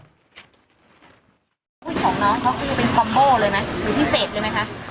ของน้องเขาคือเป็นคอมโบ้เลยไหมหรือพิเศษเลยไหมคะ